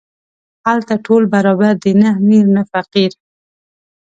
هلته ټول برابر دي، نه امیر نه فقیر.